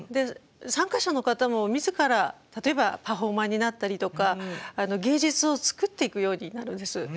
参加者の方も自ら例えばパフォーマーになったりとか芸術を作っていくようになるんです。